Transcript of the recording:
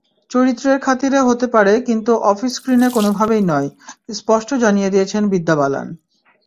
চরিত্রের খাতিরে হতে পারে, কিন্তু অফস্ক্রিনে কোনোভাবেই নয়—স্পষ্ট জানিয়ে দিয়েছেন বিদ্যা বালান।